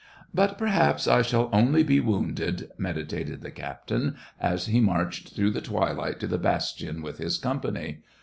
" But perhaps I shall only be wounded," medi tated the captain, as he marched through the twilight to the bastion with his company.